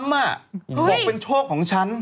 บอกเป็นโชคของฉัน